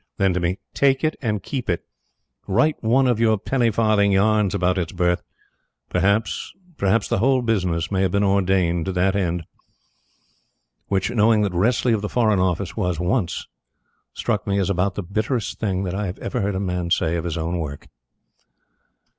Then to me: "Take it and keep it. Write one of your penny farthing yarns about its birth. Perhaps perhaps the whole business may have been ordained to that end." Which, knowing what Wressley of the Foreign Office was once, struck me as about the bitterest thing that I had ever heard a man say of his own work.